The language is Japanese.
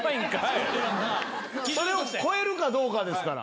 それを超えるかどうかですから。